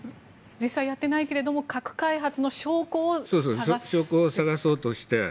実際やっていないけれども核開発の証拠を探そうとして。